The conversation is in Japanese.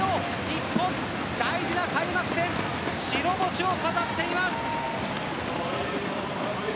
日本、大事な開幕戦白星を飾っています。